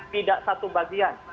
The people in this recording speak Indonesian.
tidak satu bagian